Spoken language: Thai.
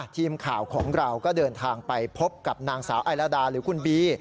ทีมข่าวของเราก็เดินทางไปพบกับนางสาวไอลาดาหรือคุณบี